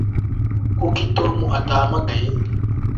kuki tom atahamagaye